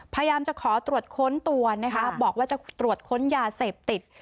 พยายามจะขอตรวจค้นตัวนะคะบอกว่าจะตรวจค้นยาเสพติด